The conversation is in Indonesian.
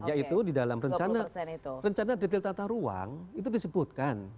yaitu di dalam rencana detail tata ruang itu disebutkan